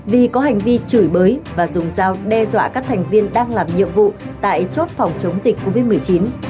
vì có hành vi chửi bới và dùng dao đe dọa các thành viên đang làm nhiệm vụ tại chốt phòng chống dịch covid một mươi chín